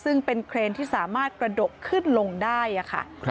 ซึ่งเป็นเครนที่สามารถกระดกขึ้นลงได้ค่ะ